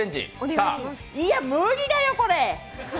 いや、無理だよ、これ。